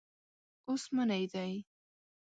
اوس منی دی.